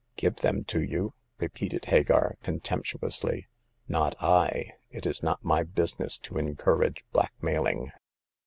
" Give them to you !" repeated Hagar, con temptuously. Not I ; it is not my business to encourage blackmailing."